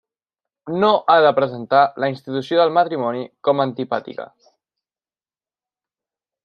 No ha de presentar la institució del matrimoni com a antipàtica.